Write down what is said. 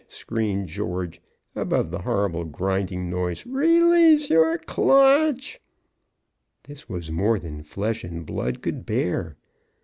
screamed George, above the horrible grinding noise. "Release your clutch!" This was more than flesh and blood could bear.